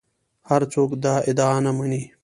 هر څوک دا ادعا نه مني